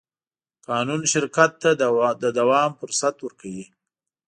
قانون شرکت ته د دوام فرصت ورکوي.